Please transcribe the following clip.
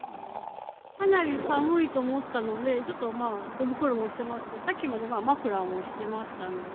かなり寒いと思ったので、ちょっと手袋もしてますし、さっきまでマフラーもしてましたので。